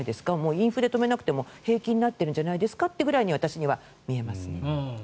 インフレを止めなくても平気になっているんじゃないですかくらいに私には見えますね。